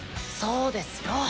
そうですよ。